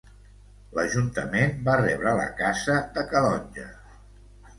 L'Ajuntament va rebre la casa de Calonge.